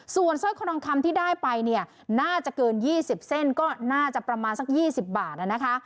ส่วนเส้าข้อต่องคำที่ได้ไปเนี้ยน่าจะเกินยี่สิบเส้นก็น่าจะประมาณสักยี่สิบบาทน่ะนะคะ